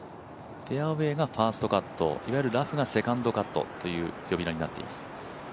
フェアウエーがファーストカットいわゆるラフなセカンドカットという呼び名になっています。